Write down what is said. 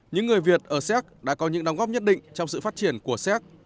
những người việt ở xéc đã có những đóng góp nhất định trong sự phát triển của xéc